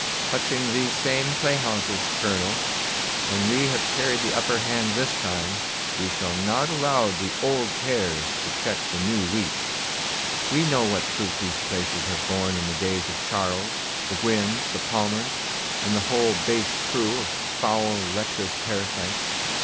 Touching these same playhouses, Colonel, when we have carried the upper hand this time, we shall not allow the old tares to check the new wheat. We know what fruit these places have borne in the days of Charles, the Gwynnes, the Palmers, and the whole base crew of foul lecherous parasites.